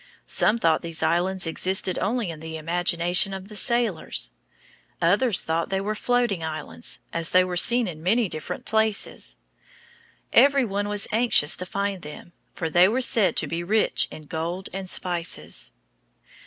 Some thought these islands existed only in the imagination of the sailors. Others thought they were floating islands, as they were seen in many different places. Every one was anxious to find them, for they were said to be rich in gold and spices.